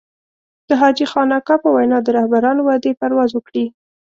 د حاجي خان اکا په وينا د رهبرانو وعدې پرواز وکړي.